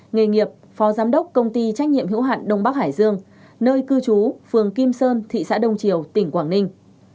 nghề nghiệp phó giám đốc công ty trách nhiệm hữu hạn đông bắc hải dương nơi cư trú phường kim sơn thị xã đông triều tỉnh quảng ninh